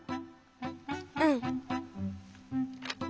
うん。